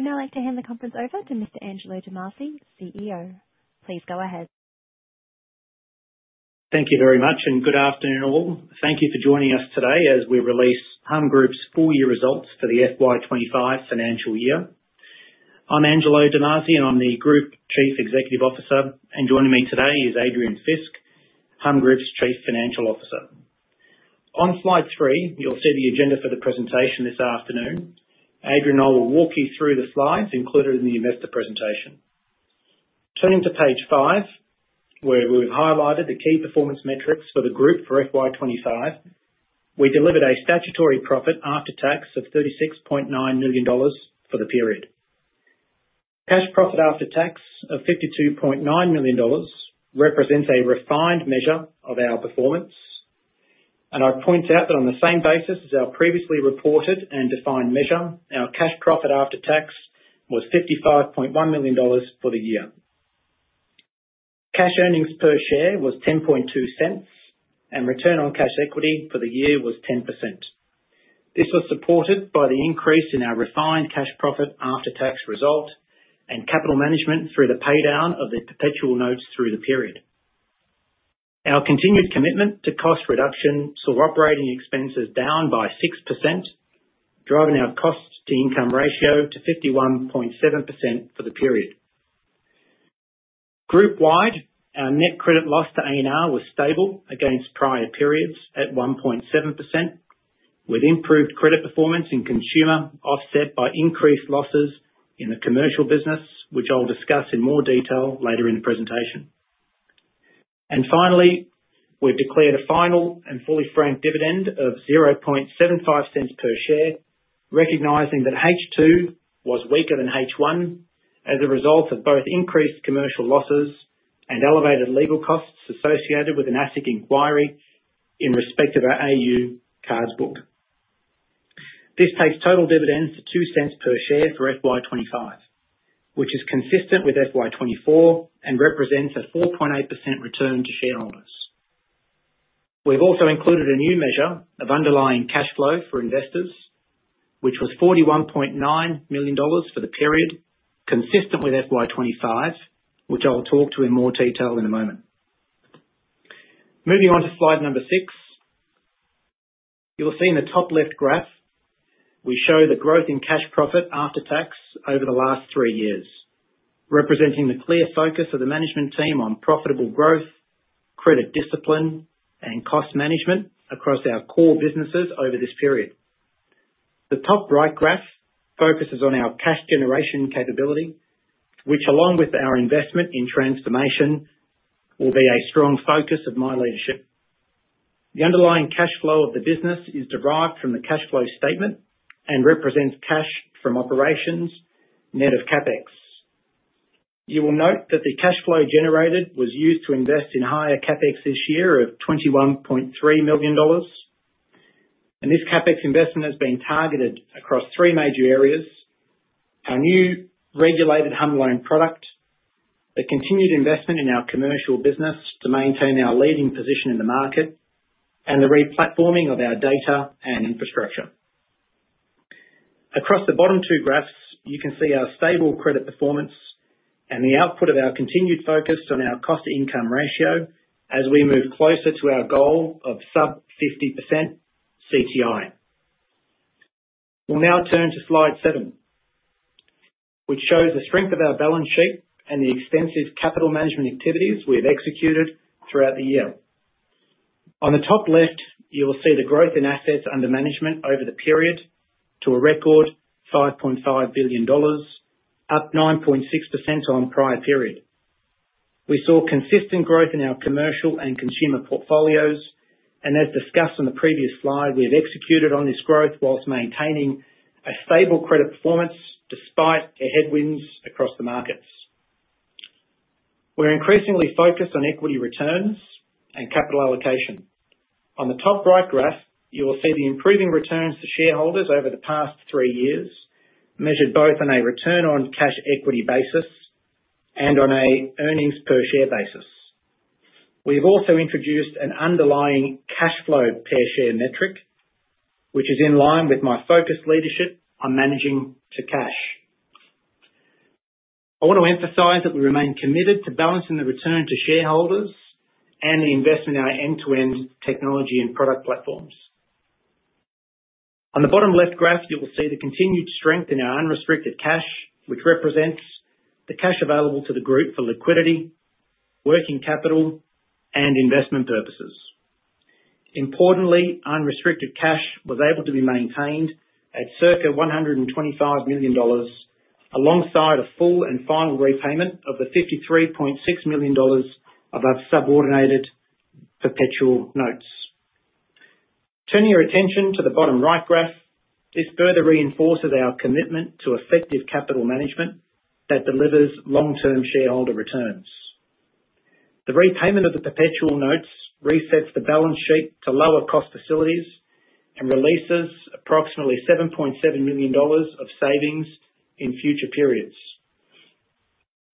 Would now like to hand the conference over to Mr. Angelo DeMasi, CEO. Please go ahead. Thank you very much, and good afternoon all. Thank you for joining us today as we release Humm Group's Full-Year Results for the FY 2025 financial year. I'm Angelo DeMasi, and I'm the Group Chief Executive Officer. Joining me today is Adrian Fisk, Humm Group's Chief Financial Officer. On slide three, you'll see the agenda for the presentation this afternoon. Adrian and I will walk you through the slides included in the investor presentation. Turning to page five, where we've highlighted the key performance metrics for the group for FY 2025, we delivered a statutory profit after tax of $36.9 million for the period. Cash profit after tax of $52.9 million represents a refined measure of our performance. I'd point out that on the same basis as our previously reported and defined measure, our cash profit after tax was $55.1 million for the year. Cash earnings per share was $0.102, and return on cash equity for the year was 10%. This was supported by the increase in our refined cash profit after tax result and capital management through the paydown of the perpetual notes through the period. Our continued commitment to cost reduction saw operating expenses down by 6%, driving our cost-to-income ratio to 51.7% for the period. Group-wide, our net credit loss to assets and receivables was stable against prior periods at 1.7%, with improved credit performance in consumer offset by increased losses in the commercial business, which I'll discuss in more detail later in the presentation. Finally, we've declared a final and fully franked dividend of $0.0075 per share, recognizing that H2 was weaker than H1 as a result of both increased commercial losses and elevated legal costs associated with an asset inquiry in respect of our Cards AU board. This takes total dividends to $0.02 per share for FY 2025, which is consistent with FY 2024 and represents a 4.8% return to shareholders. We've also included a new measure of underlying cash flow for investors, which was $41.9 million for the period, consistent with FY 2025, which I'll talk to in more detail in a moment. Moving on to slide number six, you'll see in the top left graph, we show the growth in cash profit after tax over the last three years, representing the clear focus of the management team on profitable growth, credit discipline, and cost management across our core businesses over this period. The top right graph focuses on our cash generation capability, which along with our investment in transformation will be a strong focus of my leadership. The underlying cash flow of the business is derived from the cash flow statement and represents cash from operations, net of CapEx. You will note that the cash flow generated was used to invest in higher CapEx this year of $21.3 million. This CapEx investment has been targeted across three major areas: our new regulated Humm loan product, the continued investment in our commercial business to maintain our leading position in the market, and the replatforming of our data and infrastructure. Across the bottom two graphs, you can see our stable credit performance and the output of our continued focus on our cost-to-income ratio as we move closer to our goal of sub-50% CTI. We'll now turn to slide seven, which shows the strength of our balance sheet and the extensive capital management activities we've executed throughout the year. On the top left, you'll see the growth in assets under management over the period to a record $5.5 billion, up 9.6% on prior period. We saw consistent growth in our commercial and consumer portfolios, and as discussed on the previous slide, we've executed on this growth whilst maintaining a stable credit performance despite headwinds across the markets. We're increasingly focused on equity returns and capital allocation. On the top right graph, you will see the improving returns to shareholders over the past three years, measured both on a return on cash equity basis and on an earnings per share basis. We've also introduced an underlying cash flow per share metric, which is in line with my focused leadership on managing to cash. I want to emphasize that we remain committed to balancing the return to shareholders and the investment in our end-to-end technology and product platforms. On the bottom left graph, you will see the continued strength in our unrestricted cash, which represents the cash available to the group for liquidity, working capital, and investment purposes. Importantly, unrestricted cash was able to be maintained at circa $125 million, alongside a full and final repayment of the $53.6 million above subordinated perpetual notes. Turning your attention to the bottom right graph, this further reinforces our commitment to effective capital management that delivers long-term shareholder returns. The repayment of the perpetual notes resets the balance sheet to lower cost facilities and releases approximately $7.7 million of savings in future periods.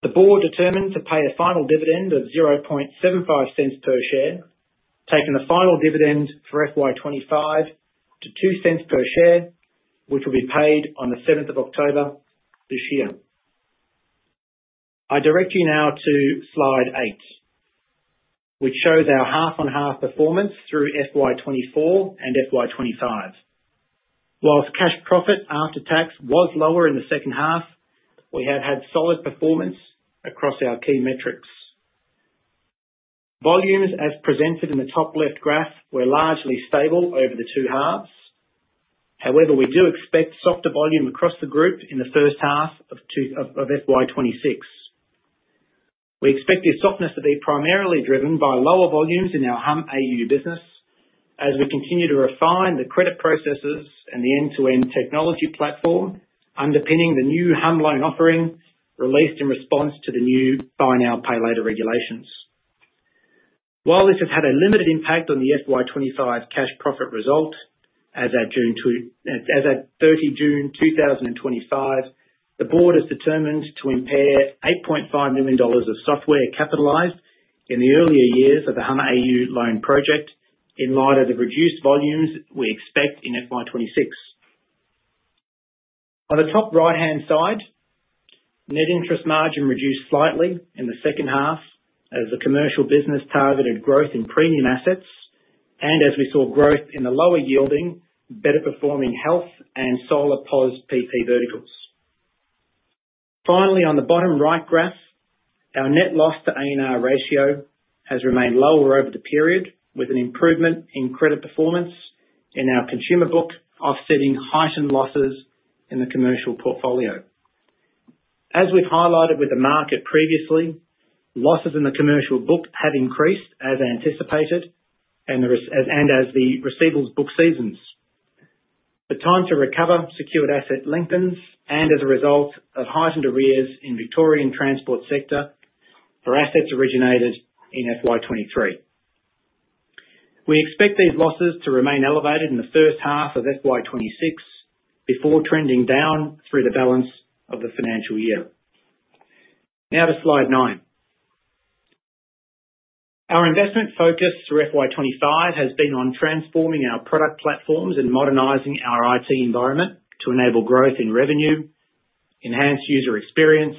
The board determined to pay a final dividend of $0.0075 per share, taking the final dividend for FY 2025 to $0.02 per share, which will be paid on October 7, 2025. I direct you now to slide eight, which shows our half-on-half performance through FY 2024 and FY 2025. Whilst cash profit after tax was lower in the second half, we have had solid performance across our key metrics. Volumes, as presented in the top left graph, were largely stable over the two halves. However, we do expect softer volume across the group in the first half of FY 2026. We expect this softness to be primarily driven by lower volumes in our Humm AU business as we continue to refine the credit processes and the end-to-end technology platform underpinning the new Humm loan offering released in response to the new Buy-Now-Pay-Later regulations. While this has had a limited impact on the FY 2025 cash profit result, as of June 2025, the board has determined to impair $8.5 million of software capitalized in the earlier years of the Humm AU loan project in light of the reduced volumes we expect in FY 2026. On the top right-hand side, net interest margin reduced slightly in the second half as the commercial business targeted growth in premium assets and as we saw growth in the lower yielding, better performing health and solar POS PP verticals. Finally, on the bottom right graph, our net loss to assets and receivables ratio has remained lower over the period, with an improvement in credit performance in our consumer book, offsetting heightened losses in the commercial portfolio. As we've highlighted with the market previously, losses in the commercial book have increased as anticipated and as the receivables book seasons. The time to recover secured asset lengthens and as a result of heightened arrears in the Victorian transport sector for assets originated in FY 2023. We expect these losses to remain elevated in the first half of FY 2026 before trending down through the balance of the financial year. Now to slide nine. Our investment focus for FY 2025 has been on transforming our product platforms and modernizing our IT environment to enable growth in revenue, enhance user experience,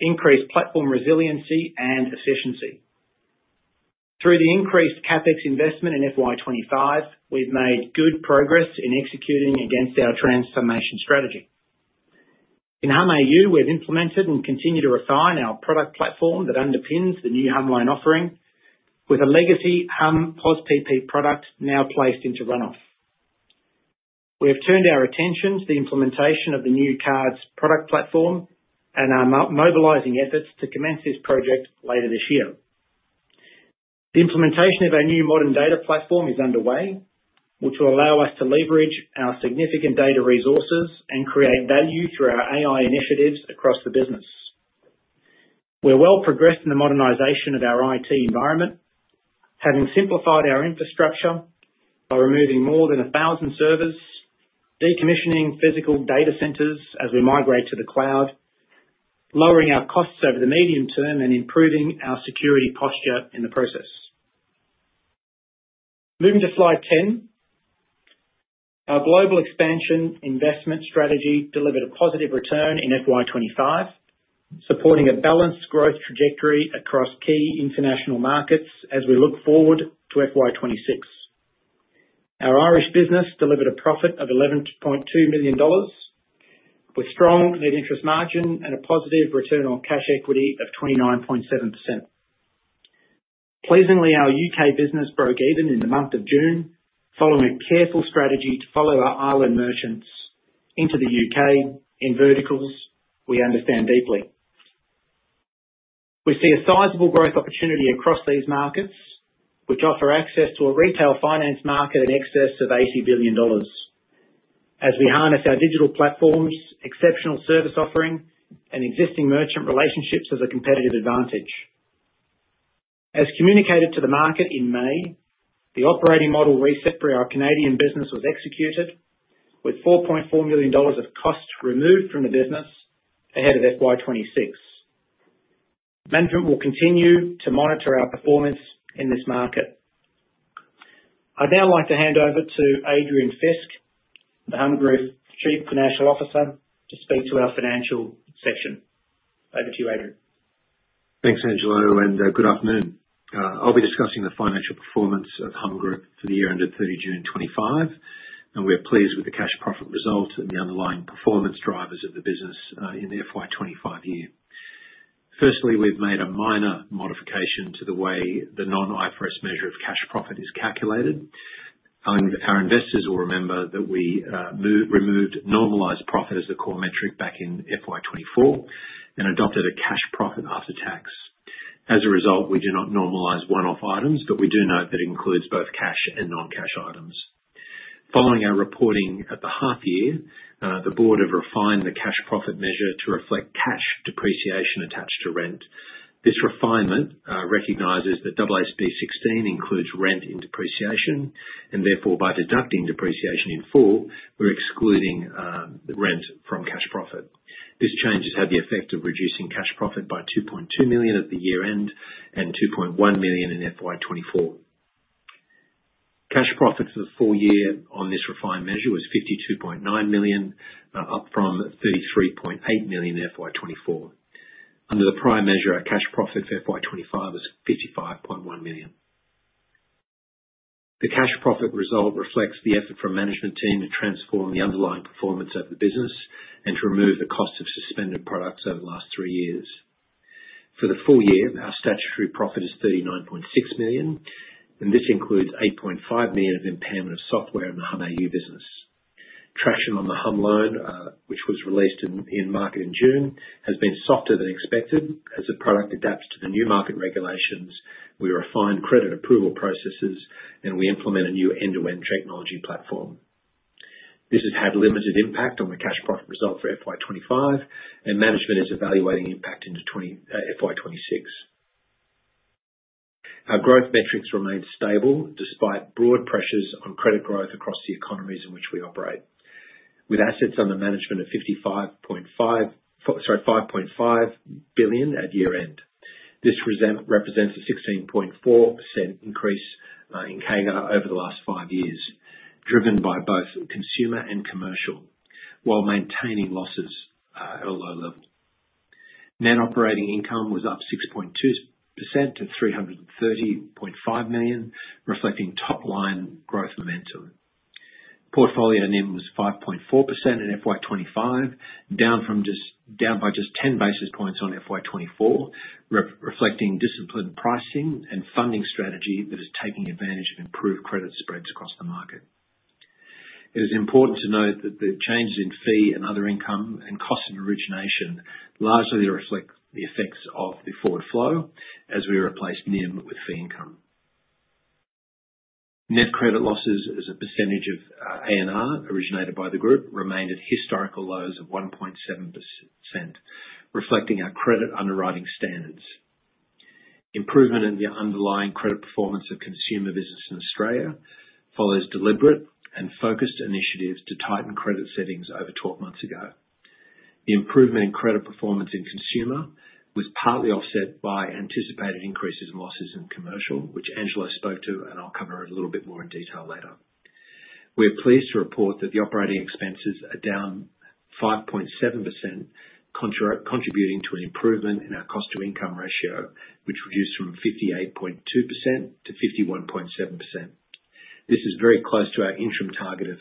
increase platform resiliency, and efficiency. Through the increased CapEx investment in FY 2025, we've made good progress in executing against our transformation strategy. In Humm AU, we've implemented and continue to refine our product platform that underpins the new Humm loan offering, with a legacy Humm POS PP product now placed into runoff. We have turned our attention to the implementation of the new cards product platform and are mobilizing efforts to commence this project later this year. The implementation of our new modern data platform is underway, which will allow us to leverage our significant data resources and create value through our AI initiatives across the business. We're well progressed in the modernization of our IT environment, having simplified our infrastructure by removing more than 1,000 servers, decommissioning physical data centers as we migrate to the cloud, lowering our costs over the medium term, and improving our security posture in the process. Moving to slide 10, our global expansion investment strategy delivered a positive return in FY 2025, supporting a balanced growth trajectory across key international markets as we look forward to FY 2026. Our Irish business delivered a profit of $11.2 million, with strong net interest margin and a positive return on cash equity of 29.7%. Pleasingly, our UK business broke even in the month of June following a careful strategy to follow our Ireland merchants into the UK in verticals we understand deeply. We see a sizable growth opportunity across these markets, which offer access to a retail finance market in excess of $80 billion as we harness our digital platform, exceptional service offering, and existing merchant relationships as a competitive advantage. As communicated to the market in May, the operating model reset for our Canadian business was executed, with $4.4 million of costs removed from the business ahead of FY 2026. Management will continue to monitor our performance in this market. I'd now like to hand over to Adrian Fisk, the Humm Group Chief Financial Officer, to speak to our financial section. Over to you, Adrian. Thanks, Angelo, and good afternoon. I'll be discussing the financial performance of Humm Group for the year end of 30 June 2025, and we're pleased with the cash profit result and the underlying performance drivers of the business in the FY 2025 year. Firstly, we've made a minor modification to the way the non-IFRS measure of cash profit is calculated. Our investors will remember that we removed normalized profit as the core metric back in FY 2024 and adopted a cash profit after tax. As a result, we do not normalize one-off items, but we do note that it includes both cash and non-cash items. Following our reporting at the half year, the board has refined the cash profit measure to reflect cash depreciation attached to rent. This refinement recognizes that WB16 includes rent in depreciation, and therefore, by deducting depreciation in full, we're excluding the rent from cash profit. This change has had the effect of reducing cash profit by $2.2 million at the year end and $2.1 million in FY 2024. Cash profit for the full year on this refined measure was $52.9 million, up from $33.8 million in FY 2024. Under the prior measure, our cash profit for FY 2025 was $55.1 million. The cash profit result reflects the effort from the management team to transform the underlying performance of the business and to remove the cost of suspended products over the last three years. For the full year, our statutory profit is $39.6 million, and this includes $8.5 million of impairment of software in the Humm AU business. Traction on the Humm loan product, which was released in market in June, has been softer than expected as the product adapts to the new market regulations. We refined credit approval processes, and we implemented a new end-to-end technology platform. This has had limited impact on the cash profit result for FY 2025, and management is evaluating the impact into FY 2026. Our growth metrics remain stable despite broad pressures on credit growth across the economies in which we operate, with assets under management of $5.5 billion at year end. This represents a 16.4% increase in CAGR over the last five years, driven by both consumer and commercial, while maintaining losses at a low level. Net operating income was up 6.2% to $330.5 million, reflecting top-line growth momentum. Portfolio NIM was 5.4% in FY 2025, down by just 10 basis points on FY 2024, reflecting disciplined pricing and funding strategy that is taking advantage of improved credit spreads across the market. It is important to note that the changes in fee and other income and cost of origination largely reflect the effects of the forward flow as we replaced NIM with fee income. Net credit losses as a percentage of assets and receivables originated by the group remain at historical lows of 1.7%, reflecting our credit underwriting standards. Improvement in the underlying credit performance of consumer business in Australia follows deliberate and focused initiatives to tighten credit settings over 12 months ago. The improvement in credit performance in consumer was partly offset by anticipated increases in losses in commercial, which Angelo spoke to and I'll cover a little bit more in detail later. We're pleased to report that the operating expenses are down 5.7%, contributing to an improvement in our cost-to-income ratio, which reduced from 58.2% to 51.7%. This is very close to our interim target of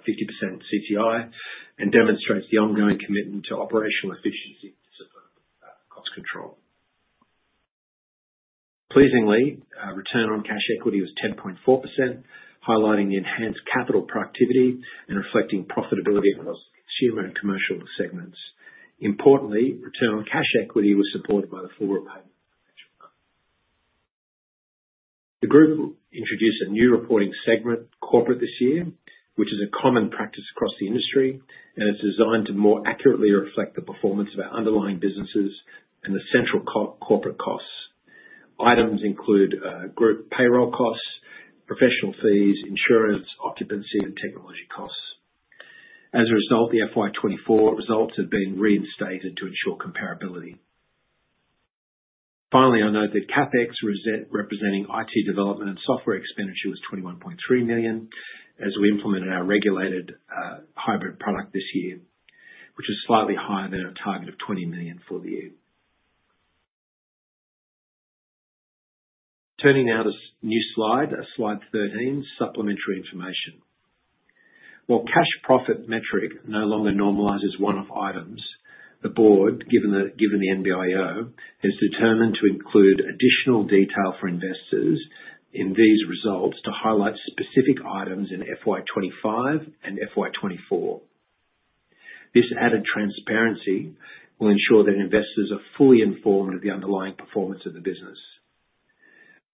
50% CTI and demonstrates the ongoing commitment to operational efficiency and cost control. Pleasingly, return on cash equity was 10.4%, highlighting the enhanced capital productivity and reflecting profitability on consumer and commercial segments. Importantly, return on cash equity was supported by the full repayment. The group introduced a new reporting segment, corporate this year, which is a common practice across the industry, and it's designed to more accurately reflect the performance of our underlying businesses and the central corporate costs. Items include group payroll costs, professional fees, insurance, occupancy, and technology costs. As a result, the FY 2024 results have been reinstated to ensure comparability. Finally, I note that CapEx representing IT development and software expenditure was $21.3 million as we implemented our regulated hybrid product this year, which is slightly higher than our target of $20 million for the year. Turning now to a new slide, slide 13, supplementary information. While cash profit metric no longer normalizes one-off items, the board, given the NBIO, is determined to include additional detail for investors in these results to highlight specific items in FY 2025 and FY 2024. This added transparency will ensure that investors are fully informed of the underlying performance of the business.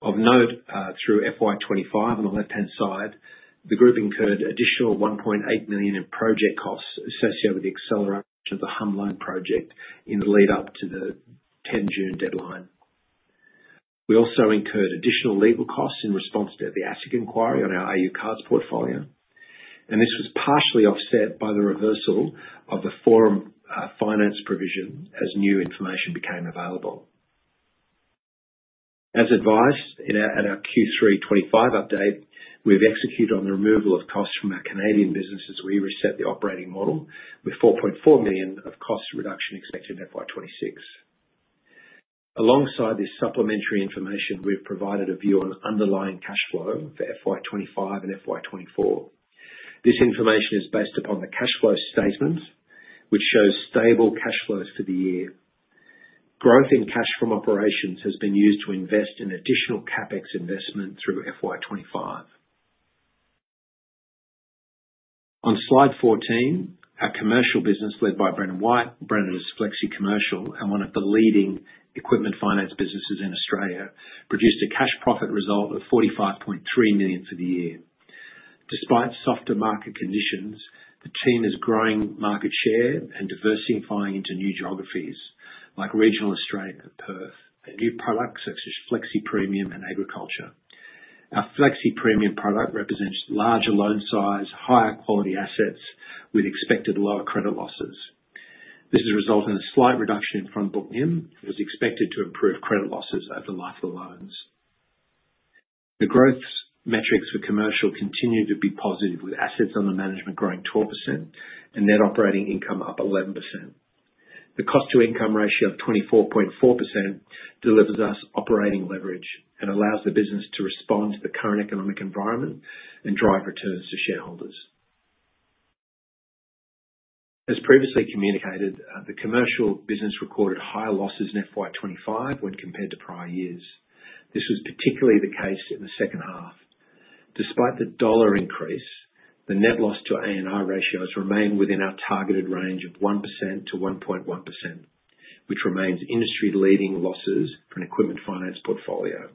Of note, through FY 2025 on the left-hand side, the group incurred additional $1.8 million in project costs associated with the acceleration of the Humm loan product in the lead-up to the 10 June deadline. We also incurred additional legal costs in response to the asset inquiry on our AU Cards portfolio, and this was partially offset by the reversal of the Forum Finance provision as new information became available. As advised at our Q3 2025 update, we've executed on the removal of costs from our Canada business as we reset the operating model with $4.4 million of cost reduction expected in FY 2026. Alongside this supplementary information, we've provided a view on underlying cash flow for FY 2025 and FY 2024. This information is based upon the cash flow statement, which shows stable cash flows for the year. Growth in cash from operations has been used to invest in additional CapEx investment through FY 2025. On slide 14, our commercial business led by Brennan White, Brennan's Flexi Commercial and one of the leading equipment finance businesses in Australia, produced a cash profit result of $45.3 million for the year. Despite softer market conditions, the team is growing market share and diversifying into new geographies like regional Australia, Perth, and new products such as Flexi Premium and Agriculture. Our Flexi Premium product represents larger loan size, higher quality assets with expected lower credit losses. This is a result in a slight reduction in front book NIM, which is expected to improve credit losses over the life of the loans. The growth metrics for commercial continue to be positive, with assets under management growing 12% and net operating income up 11%. The cost-to-income ratio of 24.4% delivers us operating leverage and allows the business to respond to the current economic environment and drive returns to shareholders. As previously communicated, the commercial business recorded higher losses in FY 2025 when compared to prior years. This was particularly the case in the second half. Despite the dollar increase, the net credit loss to assets and receivables ratios remain within our targeted range of 1%-1.1%, which remains industry-leading losses for an equipment finance portfolio.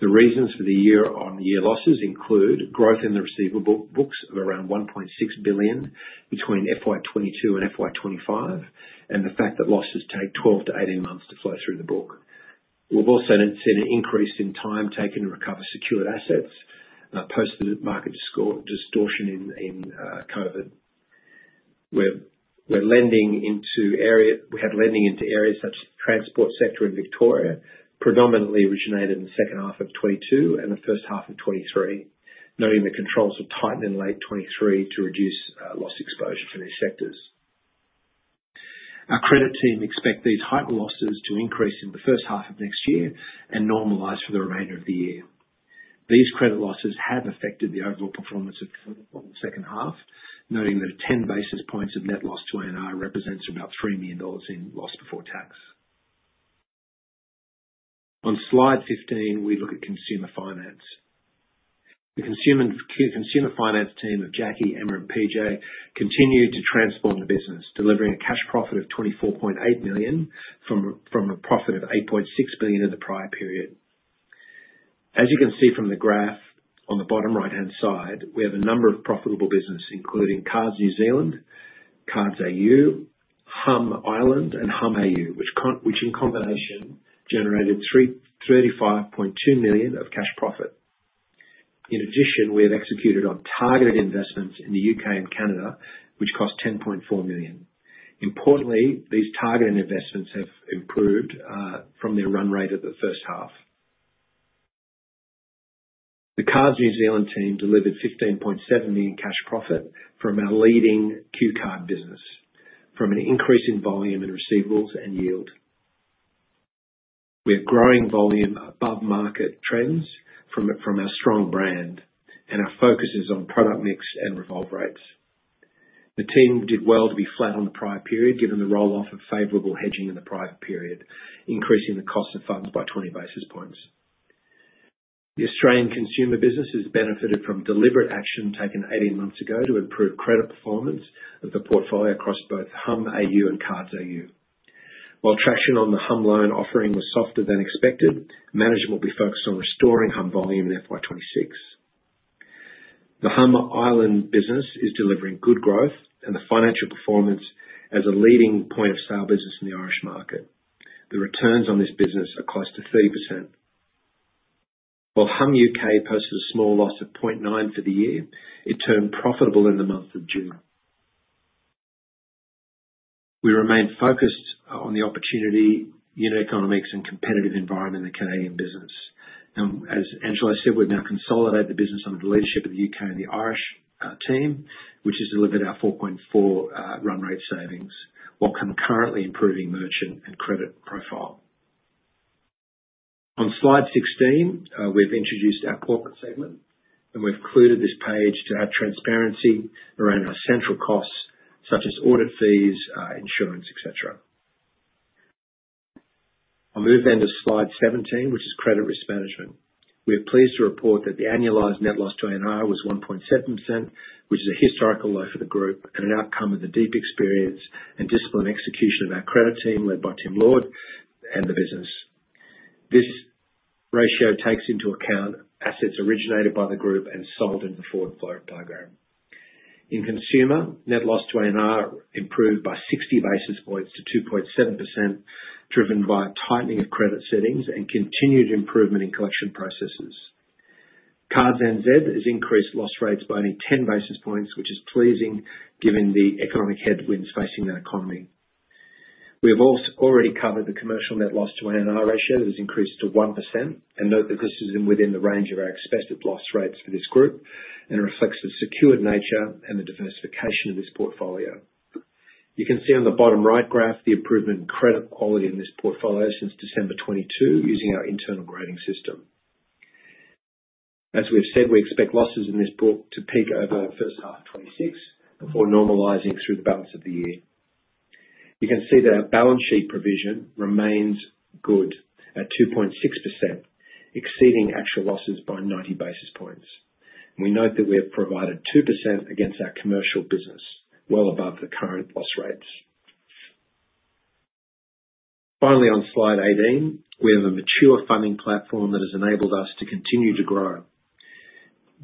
The reasons for the year-on-year losses include growth in the receivable books of around $1.6 billion between FY 2022 and FY 2025 and the fact that losses take 12months-18 months to flow through the book. We've also seen an increase in time taken to recover secured assets post the market distortion in COVID. We're lending into areas such as the transport sector in Victoria, predominantly originated in the second half of 2022 and the first half of 2023, noting the controls were tightened in late 2023 to reduce loss exposure to these sectors. Our credit team expects these heightened losses to increase in the first half of next year and normalize for the remainder of the year. These credit losses have affected the overall performance of the second half, noting that 10 basis points of net credit loss to assets and receivables represents about $3 million in loss before tax. On slide 15, we look at consumer finance. The consumer finance team of Jackie Emmer and PJ Bryan continue to transform the business, delivering a cash profit of $24.8 million from a profit of $8.6 million in the prior period. As you can see from the graph on the bottom right-hand side, we have a number of profitable businesses, including Cards New Zealand, Cards AU, Humm Ireland, and Humm AU, which in combination generated $35.2 million of cash profit. In addition, we have executed on targeted investments in the U.K. and Canada, which cost $10.4 million. Importantly, these targeted investments have improved from their run rate of the first half. The Cards New Zealand team delivered $15.7 million cash profit from our leading Q Card business, from an increase in volume and receivables and yield. We have growing volume above market trends from our strong brand, and our focus is on product mix and revolve rates. The team did well to be flat on the prior period, given the rolloff of favorable hedging in the prior period, increasing the cost of funds by 20 basis points. The Australian consumer business has benefited from deliberate action taken 18 months ago to improve credit performance of the portfolio across both Humm AU and Cards AU. While traction on the Humm loan product offering was softer than expected, management will be focused on restoring Humm volume in FY 2026. The Humm Ireland business is delivering good growth and the financial performance as a leading point of sale business in the Irish market. The returns on this business are close to 30%. While Humm UK posted a small loss of $0.9 million for the year, it turned profitable in the month of June. We remain focused on the opportunity, unit economics, and competitive environment in the Canadian business. As Angelo Demasi said, we've now consolidated the business under the leadership of the U.K. and the Irish team, which has delivered our $4.4 million run rate savings while concurrently improving merchant and credit profile. On slide 16, we've introduced our corporate segment, and we've included this page to add transparency around our central costs, such as audit fees, insurance, etc. I'll move then to slide 17, which is credit risk management. We're pleased to report that the annualized net credit loss to assets and receivables was 1.7%, which is a historical low for the group and an outcome of the deep experience and disciplined execution of our credit team led by Tim Moulton and the business. This ratio takes into account assets originated by the group and sold into the forward flow program. In consumer, net credit loss to assets and receivables improved by 60 basis points to 2.7%, driven by a tightening of credit settings and continued improvement in collection processes. Cards N.Z. has increased loss rates by only 10 basis points, which is pleasing given the economic headwinds facing their economy. We've already covered the commercial net credit loss to assets and receivables ratio that has increased to 1%, and note that this is within the range of our expected loss rates for this group and reflects the secured nature and the diversification of this portfolio. You can see on the bottom right graph the improvement in credit quality in this portfolio since December 2022 using our internal grading system. As we've said, we expect losses in this book to peak over the first half of 2026 before normalizing through the balance of the year. You can see that our balance sheet provision remains good at 2.6%, exceeding actual losses by 90 basis points. We note that we have provided 2% against our commercial business, well above the current loss rates. Finally, on slide 18, we have a mature funding platform that has enabled us to continue to grow.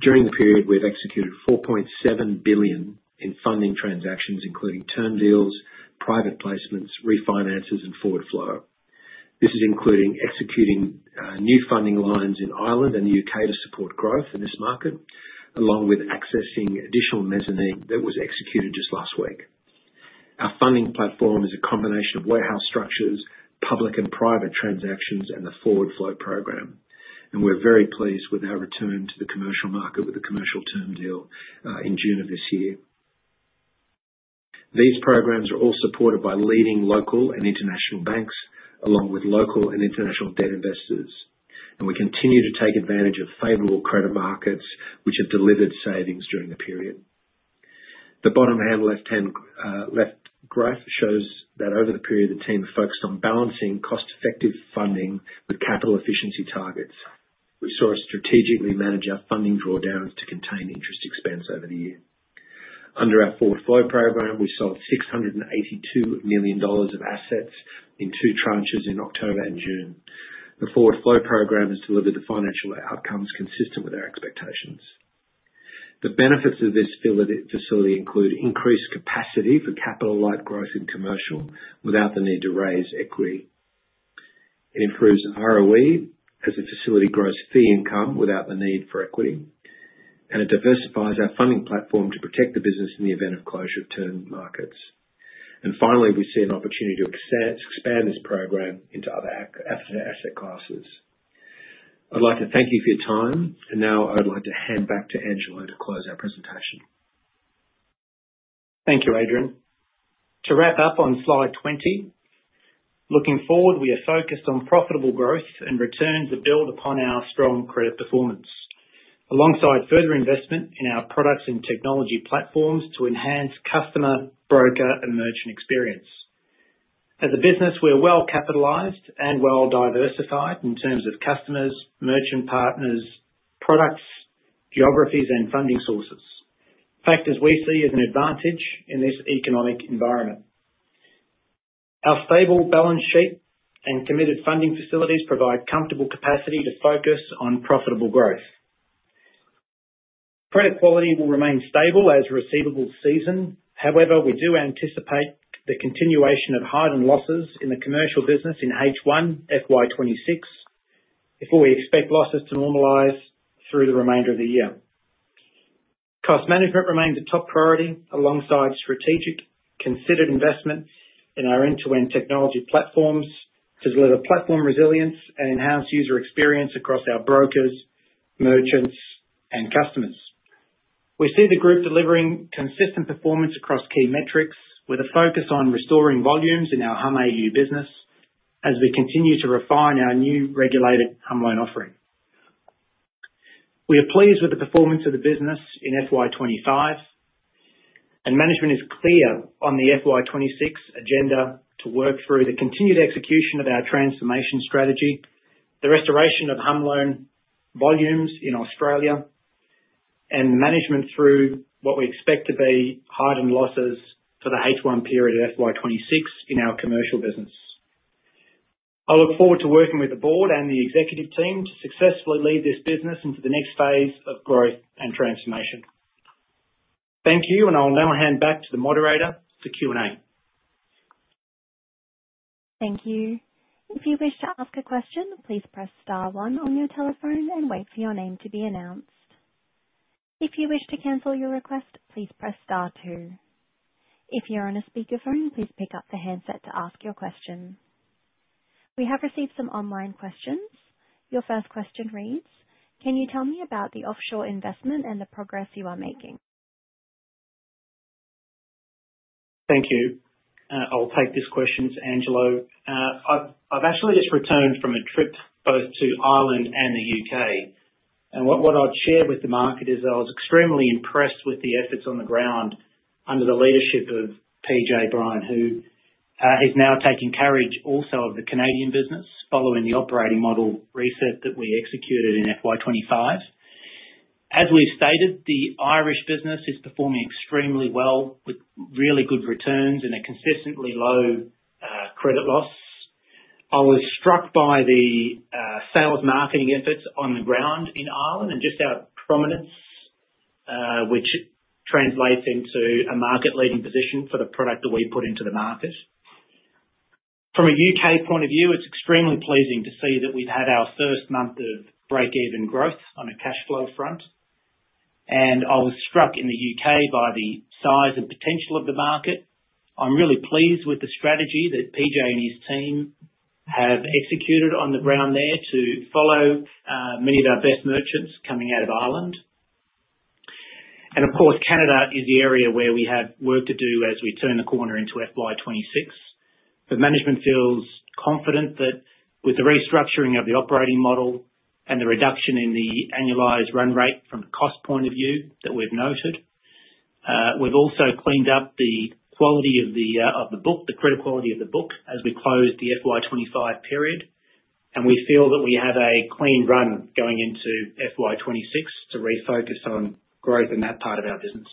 During the period, we've executed $4.7 billion in funding transactions, including term deals, private placements, refinances, and forward flow. This is including executing new funding lines in Ireland and the U.K. to support growth in this market, along with accessing additional mezzanine that was executed just last week. Our funding platform is a combination of warehouse structures, public and private transactions, and the forward flow program. We're very pleased with our returns to the commercial market with the commercial term deal in June of this year. These programs are all supported by leading local and international banks, along with local and international debt investors. We continue to take advantage of favorable credit markets, which have delivered savings during the period. The bottom left-hand graph shows that over the period, the team focused on balancing cost-effective funding with capital efficiency targets. We saw us strategically manage our funding drawdowns to contain interest expense over the year. Under our forward flow program, we sold $682 million of assets in two tranches in October and June. The forward flow program has delivered the financial outcomes consistent with our expectations. The benefits of this facility include increased capacity for capital-like growth in commercial without the need to raise equity. It improves ROE as a facility grows fee income without the need for equity. It diversifies our funding platform to protect the business in the event of closure of term markets. Finally, we see an opportunity to expand this program into other asset classes. I'd like to thank you for your time, and now I would like to hand back to Angelo to close our presentation. Thank you, Adrian. To wrap up on slide 20, looking forward, we are focused on profitable growth and returns that build upon our strong credit performance, alongside further investment in our products and technology platforms to enhance customer, broker, and merchant experience. As a business, we're well capitalized and well diversified in terms of customers, merchant partners, products, geographies, and funding sources. Factors we see as an advantage in this economic environment. Our stable balance sheet and committed funding facilities provide comfortable capacity to focus on profitable growth. Credit quality will remain stable as receivables season. However, we do anticipate the continuation of heightened losses in the commercial business in H1 FY 2026 before we expect losses to normalize through the remainder of the year. Cost management remains a top priority alongside strategic considered investment in our end-to-end technology platforms to deliver platform resilience and enhance user experience across our brokers, merchants, and customers. We see the group delivering consistent performance across key metrics with a focus on restoring volumes in our Humm AU business as we continue to refine our new regulated Humm loan product offering. We are pleased with the performance of the business in FY 2025, and management is clear on the FY 2026 agenda to work through the continued execution of our transformation strategy, the restoration of Humm loan volumes in Australia, and management through what we expect to be heightened losses for the H1 period of FY 2026 in our commercial business. I look forward to working with the board and the executive team to successfully lead this business into the next phase of growth and transformation. Thank you, and I will now hand back to the moderator for Q&A. Thank you. If you wish to ask a question, please press star one on your telephone and wait for your name to be announced. If you wish to cancel your request, please press star two. If you're on a speaker phone, please pick up the headset to ask your question. We have received some online questions. Your first question reads, "Can you tell me about the offshore investment and the progress you are making? Thank you. I'll take this question to Angelo. I've actually just returned from a trip both to Ireland and the United Kingdom. What I'd share with the market is I was extremely impressed with the efforts on the ground under the leaders hip of PJ Bryan, who is now taking carriage also of the Canadian business following the operating model reset that we executed in FY 2025. As we've stated, the Irish business is performing extremely well with really good returns and a consistently low credit loss. I was struck by the sale of marketing efforts on the ground in Ireland and just our prominence, which translates into a market-leading position for the product that we put into the market. From a U.K. point of view, it's extremely pleasing to see that we've had our first month of break-even growth on a cash flow front. I was struck in the United Kingdom by the size and potential of the market. I'm really pleased with the strategy that PJ and his team have executed on the ground there to follow many of our best merchants coming out of Ireland. Canada is the area where we have work to do as we turn the corner into FY 2026. Management feels confident that with the restructuring of the operating model and the reduction in the annualized run rate from a cost point of view that we've noted, we've also cleaned up the quality of the book, the credit quality of the book as we close the FY 2025 period. We feel that we have a clean run going into FY 2026 to refocus on growth in that part of our business.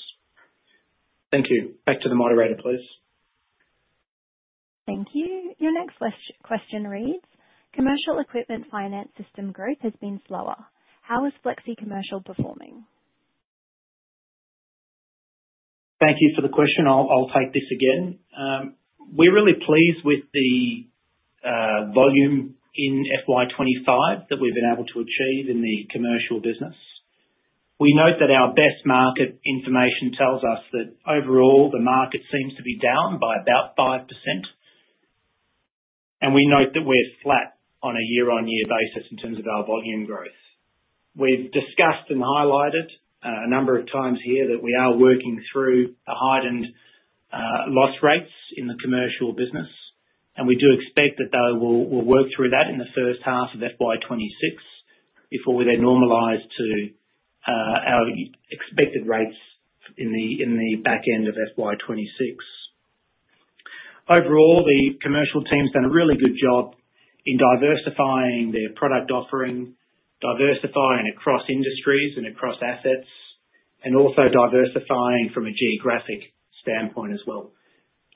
Thank you. Back to the moderator, please. Thank you. Your next question reads, "Commercial equipment finance system growth has been slower. How is Flexi Commercial performing? Thank you for the question. I'll take this again. We're really pleased with the volume in FY 2025 that we've been able to achieve in the commercial business. We note that our best market information tells us that overall the market seems to be down by about 5%. We note that we're flat on a year-on-year basis in terms of our volume growth. We've discussed and highlighted a number of times here that we are working through the heightened loss rates in the commercial business. We do expect that they will work through that in the first half of FY 2026 before they normalize to our expected rates in the back end of FY 2026. Overall, the commercial team has done a really good job in diversifying their product offering, diversifying across industries and across assets, and also diversifying from a geographic standpoint as well.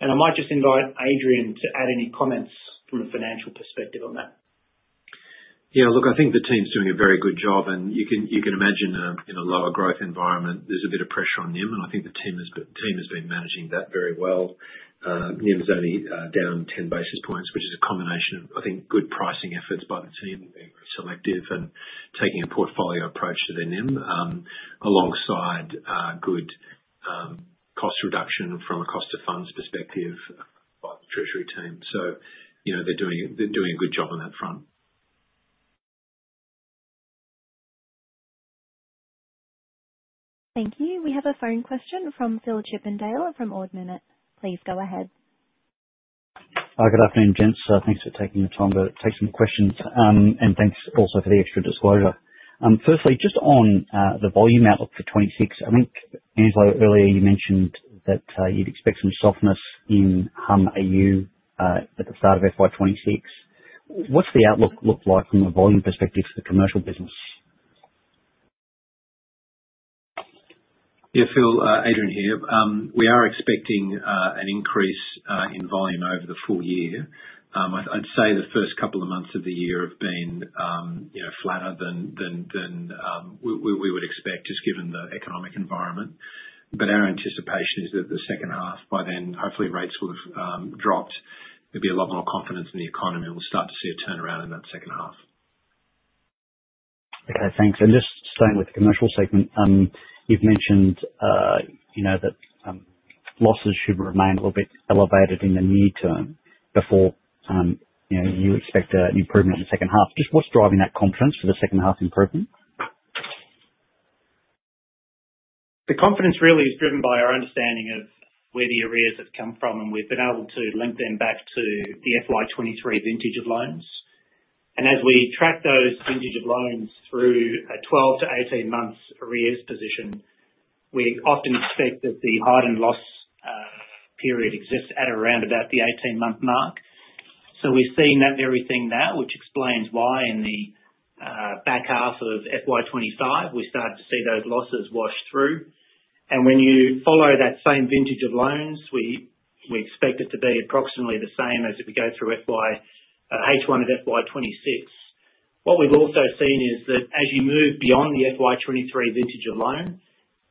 I might just invite Adrian Fisk to add any comments from a financial perspective on that. Yeah, look, I think the team's doing a very good job. You can imagine in a lower growth environment, there's a bit of pressure on NIM. I think the team has been managing that very well. NIM is only down 10 basis points, which is a combination of, I think, good pricing efforts by the team being selective and taking a portfolio approach to their NIM alongside good cost reduction from a cost of funds perspective, treasury team. You know they're doing a good job on that front. Thank you. We have a phone question from Phillip Chippindale from Ord Minnett. Please go ahead. Hi, good afternoon, gents. Thanks for taking the time to take some questions. Thanks also for the extra disclosure. Firstly, just on the volume outlook for 2026, I think, Angelo, earlier you mentioned that you'd expect some softness in Humm AU at the start of FY 2026. What's the outlook look like from a volume perspective for the commercial business? Yeah, Phil, Adrian here. We are expecting an increase in volume over the full year. I'd say the first couple of months of the year have been flatter than we would expect, just given the economic environment. Our anticipation is that the second half, by then, hopefully rates will have dropped. There'll be a lot more confidence in the economy, and we'll start to see a turnaround in that second half. Okay, thanks. Just staying with the commercial segment, you've mentioned that losses should remain a little bit elevated in the near term before you expect an improvement in the second half. What's driving that confidence for the second half improvement? The confidence really is driven by our understanding of where the arrears have come from, and we've been able to link them back to the FY 2023 vintage of loans. As we track those vintage of loans through a 12 months-18 months arrears position, we often expect that the heightened loss period exists at around the 18-month mark. We're seeing that very thing now, which explains why in the back half of FY 2025, we started to see those losses wash through. When you follow that same vintage of loans, we expect it to be approximately the same as if we go through H1 of FY 2026. What we've also seen is that as you move beyond the FY 2023 vintage of loan,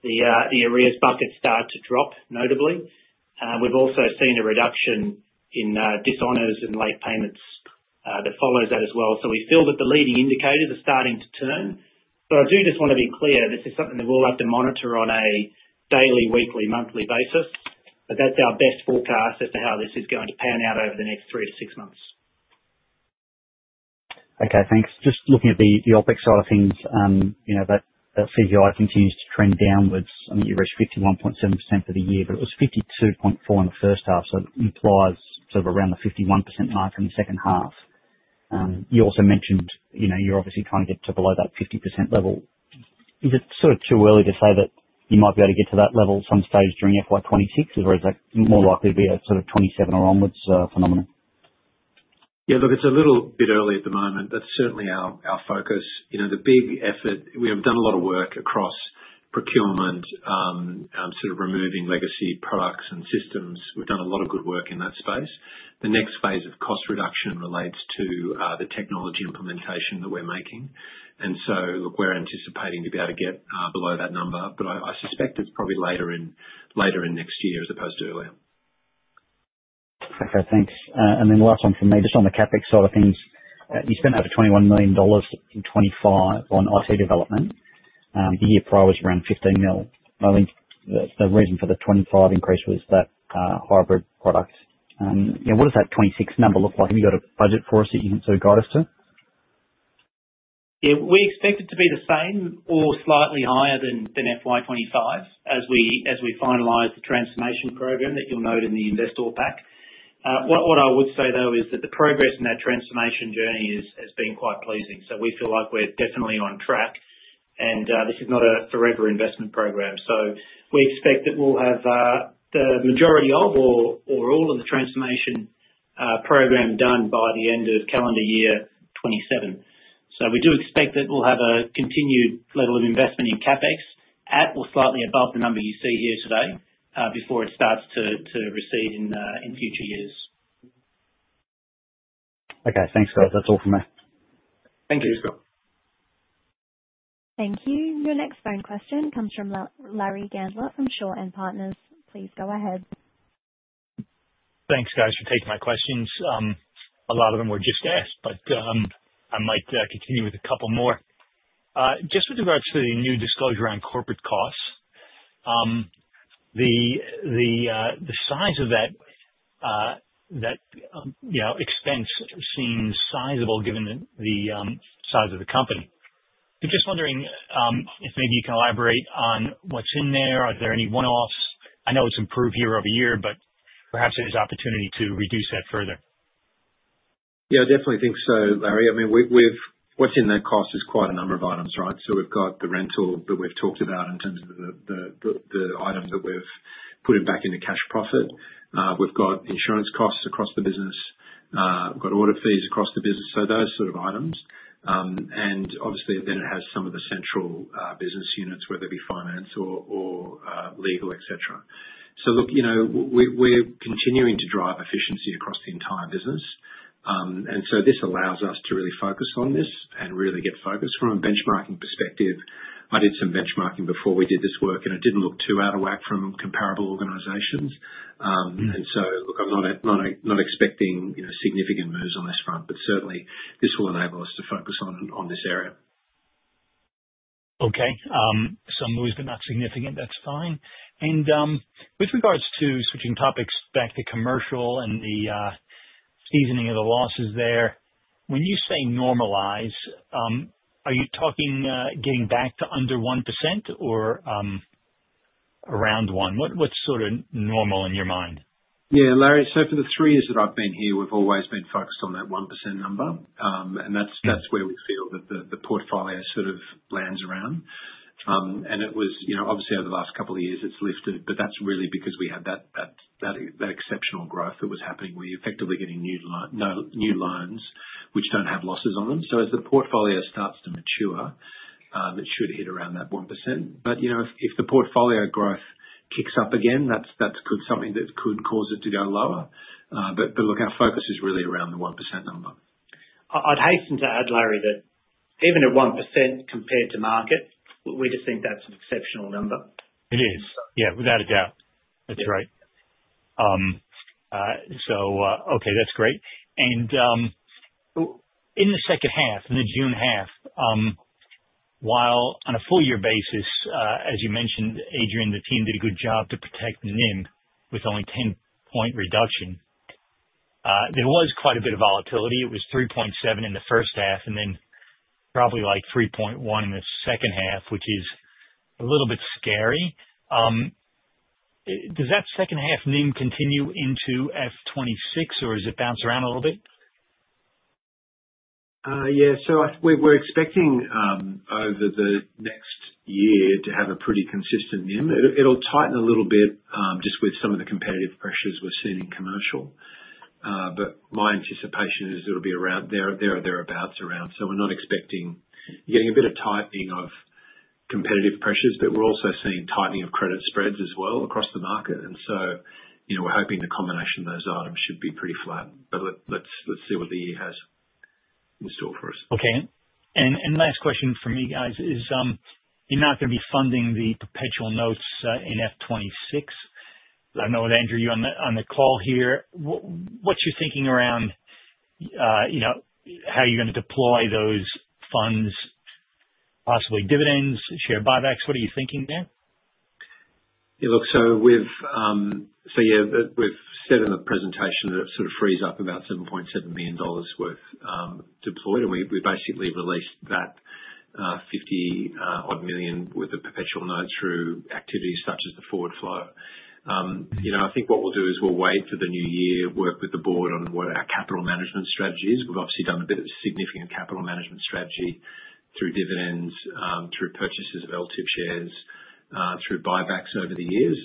the arrears bucket start to drop notably. We've also seen a reduction in dishonors and late payments that follows that as well. We feel that the leading indicators are starting to turn. I do just want to be clear this is something that we'll have to monitor on a daily, weekly, monthly basis. That's our best forecast as to how this is going to pan out over the next 3 months-6 months. Okay, thanks. Just looking at the OpEx side of things, you know that the cost-to-income ratio continues to trend downwards in the year, it's 51.7% for the year, but it was 52.4% in the first half. It implies sort of around the 51% mark in the second half. You also mentioned you're obviously trying to get to below that 50% level. Is it sort of too early to say that you might be able to get to that level at some stage during FY 2026, or is that more likely to be a sort of 2027 or onwards phenomenon? Yeah, look, it's a little bit early at the moment. That's certainly our focus. You know, the big effort, we have done a lot of work across procurement, sort of removing legacy products and systems. We've done a lot of good work in that space. The next phase of cost reduction relates to the technology implementation that we're making. We're anticipating to be able to get below that number, but I suspect it's probably later in next year as opposed to earlier. Okay, thanks. Last one from me, just on the CapEx side of things, you spent over $21 million in 2025 on IC development. The year prior was around $15 million. The reason for the 2025 increase was that hybrid products. What does that 2026 number look like? Have you got a budget for us that you can sort of guide us to? Yeah, we expect it to be the same or slightly higher than FY 2025 as we finalize the transformation program that you'll note in the investor pack. What I would say, though, is that the progress in that transformation journey has been quite pleasing. We feel like we're definitely on track. This is not a forever investment program. We expect that we'll have the majority of or all of the transformation program done by the end of calendar year 2027. We do expect that we'll have a continued level of investment in CapEx at or slightly above the number you see here today before it starts to recede in future years. Okay, thanks, Phillip. That's all for me. Thank you. Thank you. Your next phone question comes from Larry Gandler from Shaw and Partners. Please go ahead. Thanks, guys, for taking my questions. A lot of them were just asked, but I might continue with a couple more. Just with regards to the new disclosure on corporate costs, the size of that expense seems sizable given the size of the company. I'm just wondering if maybe you can elaborate on what's in there. Are there any one-offs? I know it's improved year over year, but perhaps there's an opportunity to reduce that further. Yeah, I definitely think so, Larry. I mean, what's in that cost is quite a number of items, right? We've got the rental that we've talked about in terms of the item that we've put back into cash profit. We've got insurance costs across the business. We've got audit fees across the business. Those sort of items. Obviously, it has some of the central business units, whether it be finance or legal, etc. Look, we're continuing to drive efficiency across the entire business. This allows us to really focus on this and really get focused from a benchmarking perspective. I did some benchmarking before we did this work, and it didn't look too out of whack from comparable organizations. I'm not expecting significant moves on this front, but certainly this will enable us to focus on this area. Okay. I'm always getting that significant. That's fine. With regards to switching topics back to commercial and the seasoning of the losses there, when you say normalize, are you talking getting back to under 1% or around 1%? What's sort of normal in your mind? Yeah, Larry, for the three years that I've been here, we've always been focused on that 1% number. That's where we feel that the portfolio sort of lands around. It was, you know, obviously over the last couple of years, it's lifted, but that's really because we had that exceptional growth that was happening. We're effectively getting new loans which don't have losses on them. As the portfolio starts to mature, it should hit around that 1%. If the portfolio growth kicks up again, that's something that could cause it to go lower. Look, our focus is really around the 1% number. I'd hasten to add, Larry, that even at 1% compared to market, we just think that's an exceptional number. It is. Yeah, without a doubt. That's right. Okay, that's great. In the second half, in the June half, while on a full-year basis, as you mentioned, Adrian, the team did a good job to protect NIM with only a 10% reduction, there was quite a bit of volatility. It was 3.7% in the first half and then probably like 3.1% in the second half, which is a little bit scary. Does that second half NIM continue into F 2026, or does it bounce around a little bit? Yeah, so we're expecting over the next year to have a pretty consistent NIM. It'll tighten a little bit just with some of the competitive pressures we're seeing in commercial. My anticipation is it'll be around there or thereabouts. We're not expecting, you're getting a bit of tightening of competitive pressures, but we're also seeing tightening of credit spreads as well across the market. We're hoping the combination of those items should be pretty flat. Let's see what the year has in store for us. Okay. The last question from me, guys, is you're not going to be funding the perpetual notes in 2026. I know with Andrew, you're on the call here. What's your thinking around how you're going to deploy those funds, possibly dividends, share buybacks? What are you thinking there? Yeah, look, we've set in a presentation that it sort of frees up about $7.7 million worth deployed. We basically released that $50 million worth of perpetual notes through activities such as the forward flow. I think what we'll do is wait for the new year, work with the board on what our capital management strategy is. We've obviously done a bit of significant capital management strategy through dividends, through purchases of relative shares, through buybacks over the years.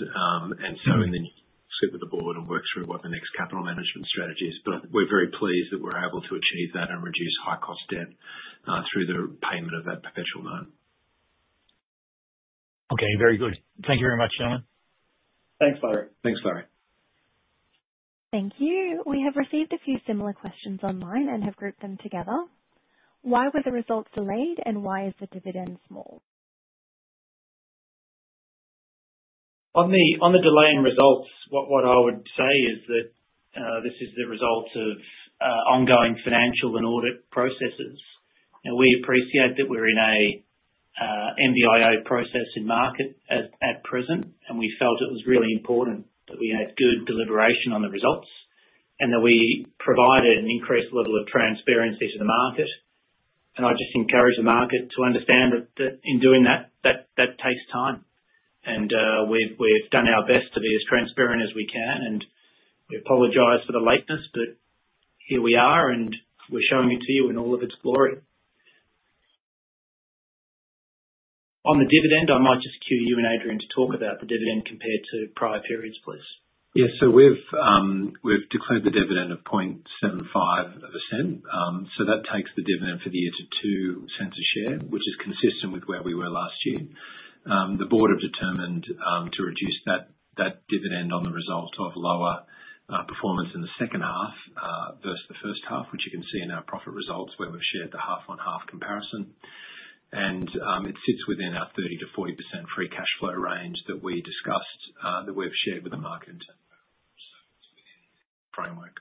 In the next slip of the board, we'll work through what the next capital management strategy is. We're very pleased that we're able to achieve that and reduce high-cost debt through the payment of that perpetual loan. Okay, very good. Thank you very much, gentlemen. Thanks, Larry. Thanks, Larry. Thank you. We have received a few similar questions online and have grouped them together. Why were the results delayed, and why is the dividend small? On the delay in results, what I would say is that this is the result of ongoing financial and audit processes. We appreciate that we're in an NBIO process in market at present. We felt it was really important that we had good deliberation on the results and that we provided an increased level of transparency to the market. I just encourage the market to understand that in doing that, that takes time. We've done our best to be as transparent as we can. We apologize for the lateness, but here we are and we're showing it to you in all of its glory. On the dividend, I might just cue you and Adrian to talk about the dividend compared to prior periods, please. Yeah, we've declared the dividend of 0.75%. That takes the dividend for the year to $0.02 a share, which is consistent with where we were last year. The Board have determined to reduce that dividend on the result of lower performance in the second half versus the first half, which you can see in our profit results where we've shared the half-on-half comparison. It sits within our 30%-40% free cash flow range that we discussed and that we've shared with the market framework.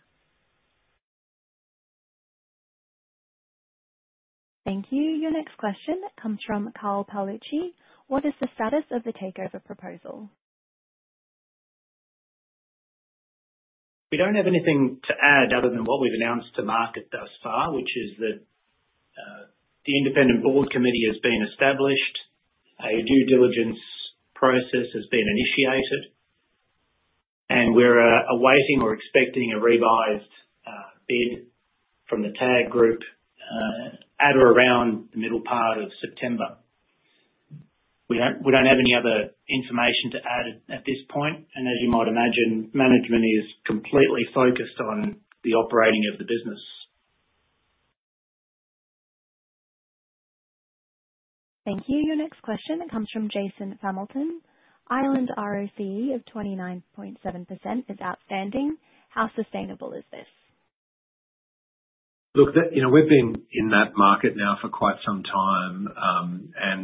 Thank you. Your next question comes from Carl Paolucci. What is the status of the takeover proposal? We don't have anything to add other than what we've announced to market thus far, which is that the independent board committee has been established. A due diligence process has been initiated, and we're awaiting or expecting a revised bid from the TAG Group at or around the middle part of September. We don't have any other information to add at this point. As you might imagine, management is completely focused on the operating of the business. Thank you. Your next question comes from Jason Familton. Ireland ROCE of 29.7% is outstanding. How sustainable is this? Look, you know we've been in that market now for quite some time.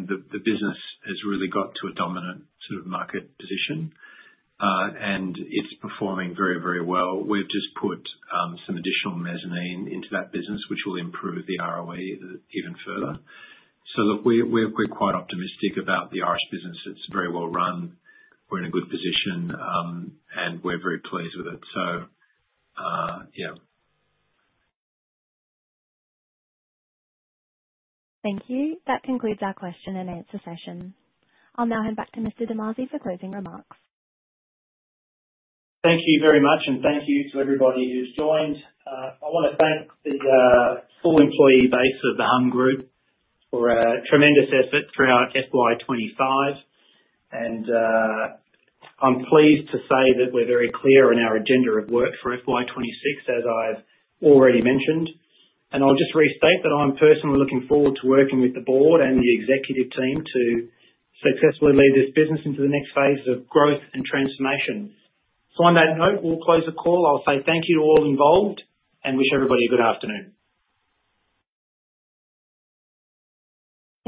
The business has really got to a dominant sort of market position, and it's performing very, very well. We've just put some additional mezzanine into that business, which will improve the ROE even further. We're quite optimistic about the Irish business. It's very well run, we're in a good position, and we're very pleased with it. Yeah. Thank you. That concludes our question-and-answer session. I'll now hand back to Mr. DeMasi for closing remarks. Thank you very much. Thank you to everybody who's joined. I want to thank the full employee base of the Humm Group for a tremendous effort throughout FY 2025. I'm pleased to say that we're very clear on our agenda of work for FY 2026, as I've already mentioned. I will just restate that I'm personally looking forward to working with the Board and the executive team to successfully lead this business into the next phase of growth and transformation. On that note, we'll close the call. I'll say thank you to all involved and wish everybody a good afternoon.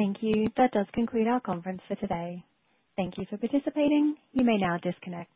Thank you. That does conclude our conference for today. Thank you for participating. You may now disconnect.